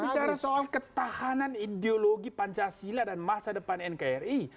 bicara soal ketahanan ideologi pancasila dan masa depan nkri